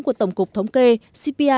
của tổng cục thống kê cpi